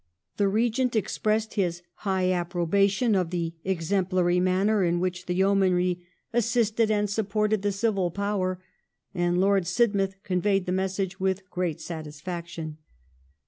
The Regent expressed his "high approbation" of the " exemplary manner " in which the Yeomanry " assisted and supported the civil power," and Lord Sidmouth conveyed the message " with great satisfaction